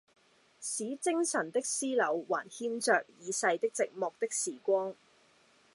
使精神的絲縷還牽著已逝的寂寞的時光，